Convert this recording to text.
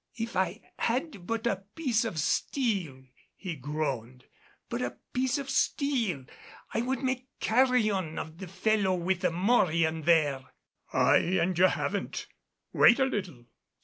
"If I had but a piece of steel," he groaned, "but a piece of steel I would make carrion of the fellow with the morion there!" "Aye, and you haven't! Wait a little.